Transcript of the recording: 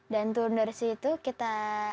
dan turun dari situ kita